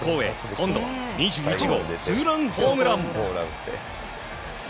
今度は２１号ツーランホームラン！